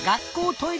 「トイレ！」